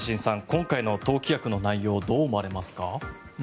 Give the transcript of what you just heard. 今回の党規約の内容どう思われますか？